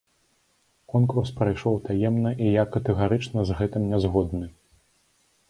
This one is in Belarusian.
Конкурс прайшоў таемна, і я катэгарычна з гэтым не згодны.